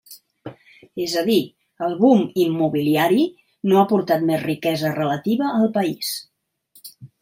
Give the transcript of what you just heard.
És a dir, el boom immobiliari no ha portat més riquesa relativa al país.